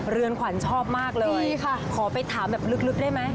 เรือนขวัญชอบมากเลยดีค่ะขอไปถามแบบลึกได้ไหม